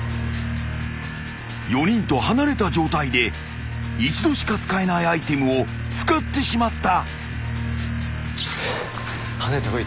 ［４人と離れた状態で一度しか使えないアイテムを使ってしまった］